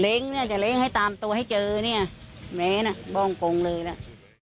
เล่งนะจะเล่งให้ตามตัวให้เจอนี่ไหมนะลองคงเลยน่ะ